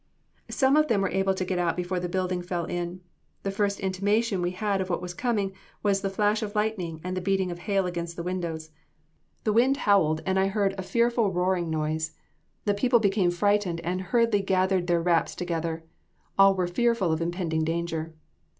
Hone of them were able to get out before the building fell in. The first intimation we had of what was coming was the flash of lightning and the beating of hail against the windows. The wind howled, and I heard a fearful roaring noise. The people became frightened, and hurriedly gathered their wraps together. All were fearful of impending danger.